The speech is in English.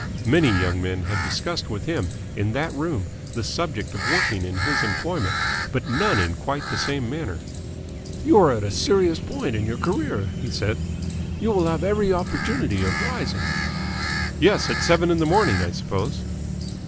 Many young men had discussed with him in that room the subject of working in his employment, but none in quite the same manner. "You are at a serious point in your career," he said. "You will have every opportunity of rising." "Yes. At seven in the morning, I suppose?"